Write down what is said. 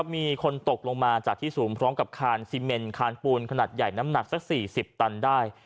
มีคนตกลงมาจากที่สูงพร้อมกับคานซีเมนคานปูนขนาดใหญ่น้ำหนักสัก๔๐ตันได้